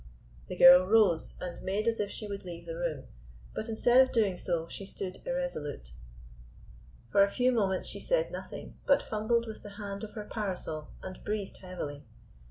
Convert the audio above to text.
The girl rose and made as if she would leave the room, but instead of doing so she stood irresolute. For a few moments she said nothing, but fumbled with the handle of her parasol and breathed heavily.